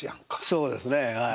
そうですねはい。